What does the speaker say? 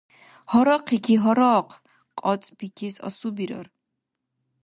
Гьарахъики, гьарахъ! КьацӀбикес асубирар!